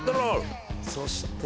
そして。